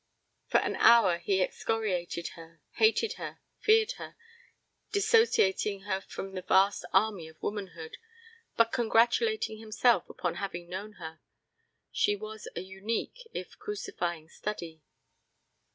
For an hour he excoriated her, hated her, feared her, dissociating her from the vast army of womanhood, but congratulating himself upon having known her. She was a unique if crucifying study.